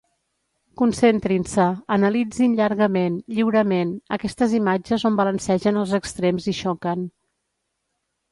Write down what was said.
Concentrin-se, analitzin llargament, lliurement, aquestes imatges on balancegen els extrems i xoquen.